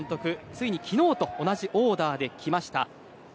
ついに昨日と同じオーダーできました。